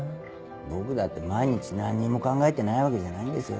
僕だって毎日何にも考えてないわけじゃないんですよ。